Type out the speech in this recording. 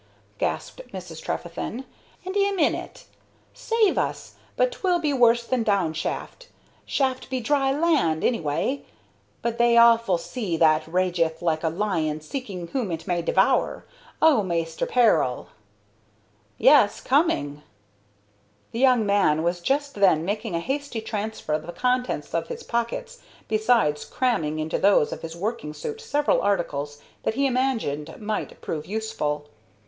gasped Mrs. Trefethen, "and 'im in hit! Save us! but 'twill be worse than down shaft. Shaft be dry land, anyway, but they awful sea that rageth like a lion seeking whom it may devour. Oh, Maister Peril!" "Yes, coming!" The young man was just then making a hasty transfer of the contents of his pockets, besides cramming into those of his working suit several articles that he imagined might prove useful.